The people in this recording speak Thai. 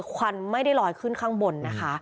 ควันไม่ได้ลอยขึ้นข้างบนนะคะ